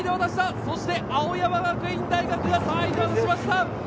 そして青山学院大学が３位で渡しました。